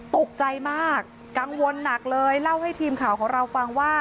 ตกใจมากกังวลหนักเลยเล่าให้ทีมข่าวของเราฟังว่า